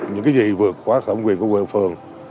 những cái gì vượt quá thẩm quyền của quyền phường